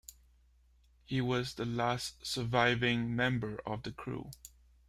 He was the last surviving member of the crew.